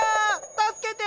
助けて！